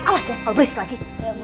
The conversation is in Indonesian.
awas ya kalau berisik lagi